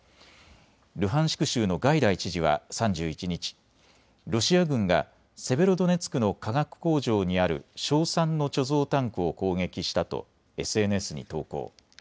ルハンシク州のガイダイ知事は３１日、ロシア軍がセベロドネツクの化学工場にある硝酸の貯蔵タンクを攻撃したとＳＮＳに投稿。